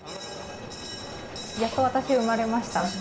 やっと私生まれました。